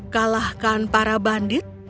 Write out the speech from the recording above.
kalahkan para bandit